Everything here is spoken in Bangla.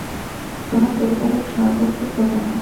তোমার প্রতিপালক সর্বজ্ঞ, প্রজ্ঞাময়।